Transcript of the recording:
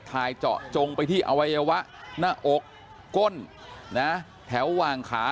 เจาะจงไปที่อวัยวะหน้าอกก้นนะแถวหว่างขา